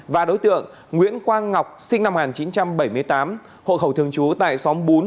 và đối tượng nguyễn quang ngọc sinh năm một nghìn chín trăm bảy mươi tám hộ khẩu thường trú tại xóm bốn